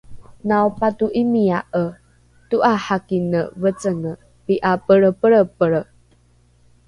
naopato’imia’e to’arakine vecenge pi’a pelrepelrepelre